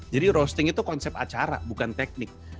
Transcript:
jadi roasting itu konsep acara bukan teknik